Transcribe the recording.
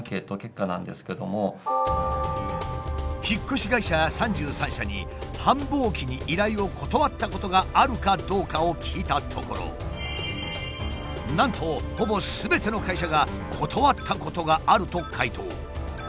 引っ越し会社３３社に繁忙期に依頼を断ったことがあるかどうかを聞いたところなんとほぼすべての会社が「断ったことがある」と回答。